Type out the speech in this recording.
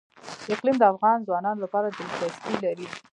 اقلیم د افغان ځوانانو لپاره دلچسپي لري.